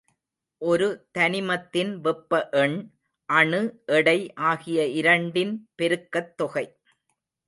ஒரு தனிமத்தின் வெப்ப எண், அணு எடை ஆகிய இரண்டின் பெருக்கத் தொகை.